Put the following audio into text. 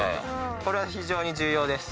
これは非常に重要です。